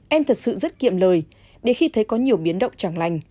em thật sự rất kiệm lời để khi thấy có nhiều biến động chẳng lành